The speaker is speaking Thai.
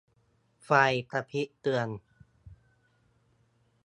ไฟกระพริบเตือน